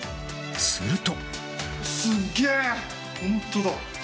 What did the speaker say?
すると。